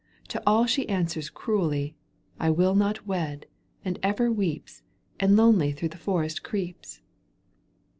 To аП she answers cruelly — I win not wed, and ever weeps And lonely through the forest creeps."